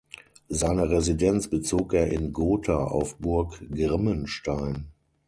Seine Residenz bezog er in Gotha auf Burg Grimmenstein.